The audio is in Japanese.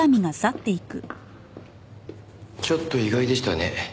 ちょっと意外でしたね。